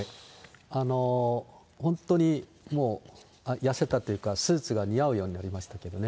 本当にもう、痩せたというか、スーツが似合うようになりましたけどね。